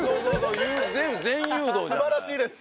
素晴らしいです！